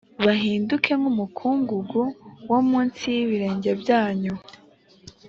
bahinduke nk umukungugu wo munsi y ibirenge byanyu